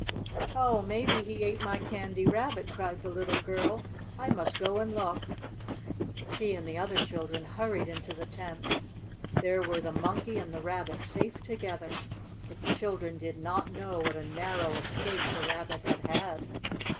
"Oh, maybe he ate my Candy Rabbit!" cried the little girl. "I must go and look." She and the other children hurried into the tent. There were the Monkey and the Rabbit safe together. But the children did not know what a narrow escape the Rabbit had had.